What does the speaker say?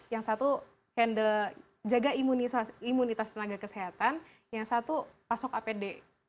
yang satu handle jaga imunitas tenaga kesehatan yang satu pasok apd